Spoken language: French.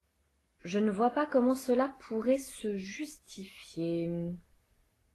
Je ne vois pas comment cela pourrait se justifier.